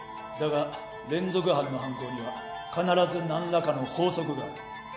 だが連続犯の犯行には必ず何らかの法則がある。